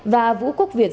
và vũ quốc việt